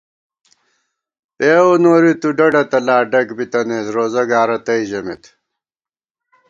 پېؤ نوری تُو ڈڈہ تلا ، ڈگ بِتَنَئیس روزہ گا رتئ ژمېت